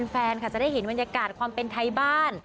แฟนค่ะจะได้เห็นบรรยากาศความเป็นไทยบ้าน